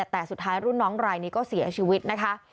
แต่สุดท้ายรุ่นน้องรายนี้ก็เสียชีวิตนะคะ